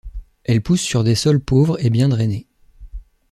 Elles poussent sur des sols pauvres et bien drainés.